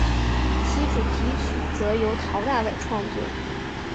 其主题曲则由陶大伟创作。